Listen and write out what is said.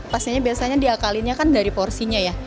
pastinya biasanya diakalinnya kan dari porsinya ya